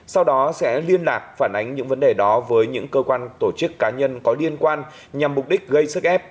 sau đó sẽ liên lạc phản ánh những vấn đề đó với những cơ quan tổ chức cá nhân có liên quan nhằm mục đích gây sức ép